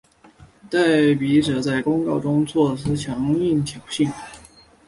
代笔者在公告中措辞强硬挑衅。